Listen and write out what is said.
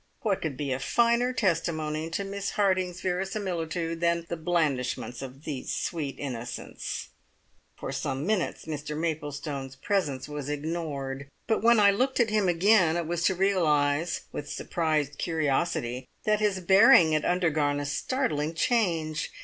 What could be a finer testimony to Miss Harding's verisimilitude than the blandishments of these sweet innocents? For some minutes Mr Maplestone's presence was ignored, but when I looked at him again it was to realise with surprised curiosity that his bearing had undergone a startling change.